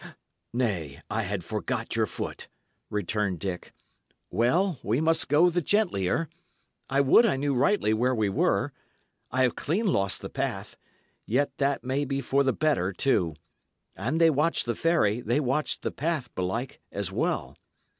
"Nay, I had forgot your foot," returned Dick. "Well, we must go the gentlier. I would I knew rightly where we were. I have clean lost the path; yet that may be for the better, too. An they watch the ferry, they watch the path, belike, as well.